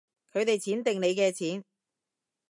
佢哋錢定你嘅錢